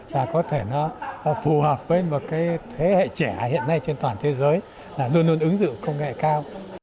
và có thể nó phù hợp với một cái thế hệ trẻ hiện nay trên toàn thế giới là luôn luôn ứng dụng công nghệ cao